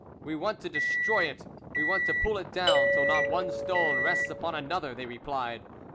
"We want to destroy it, we want to pull it down till not one stone rests upon another," they replied.